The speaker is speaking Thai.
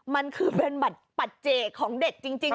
มันเป็นแบบปัจเจของเด็กจริง